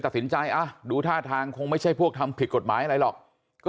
ตัดสินใจดูท่าทางคงไม่ใช่พวกทำผิดกฎหมายอะไรหรอกก็